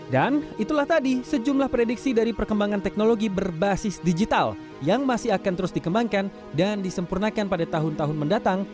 dan itulah tadi sejumlah prediksi dari perkembangan teknologi berbasis digital yang masih akan terus dikembangkan dan disempurnakan pada tahun tahun mendatang